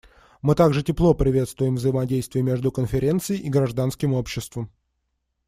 Мы также тепло приветствуем взаимодействие между Конференцией и гражданским обществом.